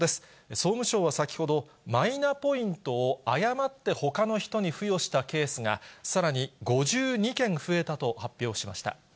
総務省は先ほど、マイナポイントを誤ってほかの人に付与したケースが、さらに５２件増えたと発表しました。